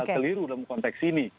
keliru dalam konteks ini